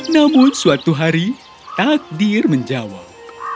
namun suatu hari takdir menjawab